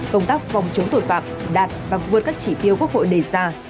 công tác phòng chống tội phạm đạt và vượt các chỉ tiêu quốc hội đề ra